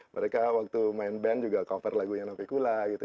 mereka waktu main band juga cover lagunya navikula gitu